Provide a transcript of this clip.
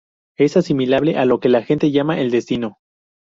Es asimilable a lo que la gente llama "el destino".